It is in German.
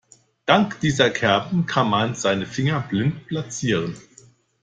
Dank dieser Kerben kann man seine Finger blind platzieren.